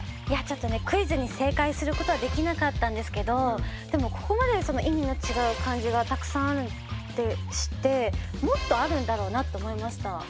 いやちょっとねクイズに正解することはできなかったんですけどでもここまで意味の違う漢字がたくさんあるって知ってもっとあるんだろうなと思いました。